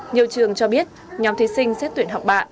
nhiều trường cho biết nhóm thí sinh xét tuyển học bạ